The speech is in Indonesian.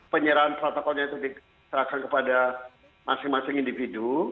penyerahan protokolnya itu diserahkan kepada masing masing individu